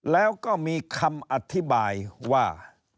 แล้วก็มีคำอธิบายว่า